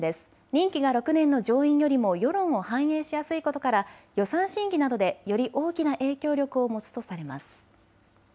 任期が６年の上院よりも世論を反映しやすいことから予算審議などでより大きな影響力を持つとされます。